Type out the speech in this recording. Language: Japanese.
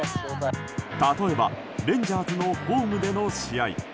例えばレンジャーズのホームでの試合。